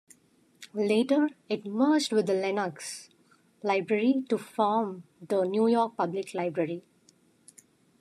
Later it merged with the Lenox Library to form the New York Public Library.